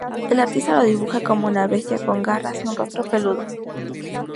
El artista lo dibuja como una bestia con garras y un rostro peludo.